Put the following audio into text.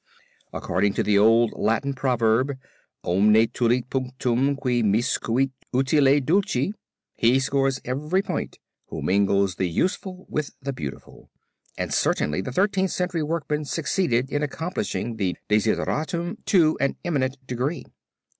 According to the old Latin proverb "omne tulit punctum qui miscuit utile dulci," he scores every point who mingles the useful with the beautiful, and certainly the Thirteenth Century workman succeeded in accomplishing the desideratum to an eminent degree.